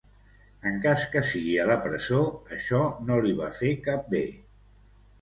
En cas que sigui a la presó, això no li va fer cap bé.